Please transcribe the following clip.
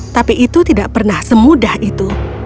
tapi itu tidak pernah semudah itu